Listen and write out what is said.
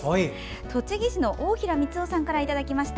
栃木市の大平光男さんからいただきました。